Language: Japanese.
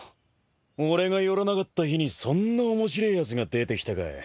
俺が寄らなかった日にそんな面白えやつが出てきたか。